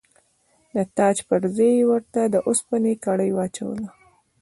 د تاج پر ځای یې ورته د اوسپنې کړۍ واچوله.